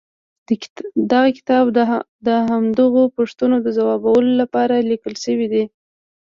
دغه کتاب د همدغو پوښتنو د ځوابولو لپاره ليکل شوی دی.